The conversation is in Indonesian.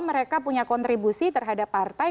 mereka punya kontribusi terhadap partai